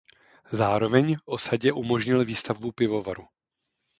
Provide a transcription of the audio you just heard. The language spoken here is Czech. Zároveň osadě umožnil výstavbu pivovaru.